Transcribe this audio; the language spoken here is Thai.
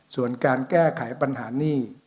ส่วนการแก้ไขปัญหานี่